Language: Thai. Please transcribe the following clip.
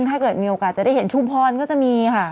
ถ้าเกิดมีโอกาสจะได้เห็นชุมพรก็จะมีค่ะ